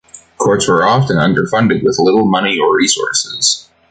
Courts were often underfunded, with little money or resources.